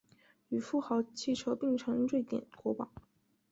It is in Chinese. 与富豪汽车并称瑞典国宝。